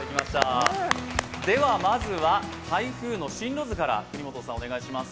では、まずは台風の進路図から國本さんお願いします。